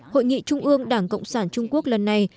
hội nghị trung ương đảng cộng sản trung quốc lần này